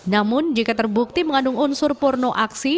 namun jika terbukti mengandung unsur porno aksi